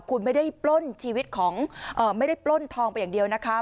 คุณไม่ได้ปล้นชีวิตของไม่ได้ปล้นทองไปอย่างเดียวนะคะ